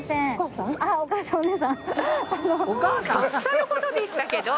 とっさの事でしたけど。